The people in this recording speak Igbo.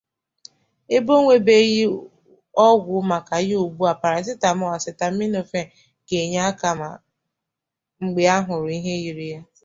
Ebe onwebeghị ọgwụ maka ya ugbu a,parasitamọl(asetaminofen)ga-enye aka mgbe ahụrụ ihe yiri ya.